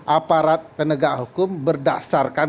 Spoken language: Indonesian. aparat penegak hukum berdasarkan